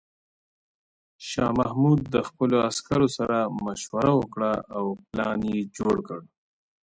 شاه محمود د خپلو عسکرو سره مشوره وکړه او پلان یې جوړ کړ.